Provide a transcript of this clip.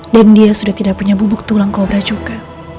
dan dia sudah tidak punya bubuk tulang kobra juga